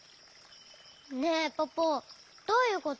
ねえポポどういうこと？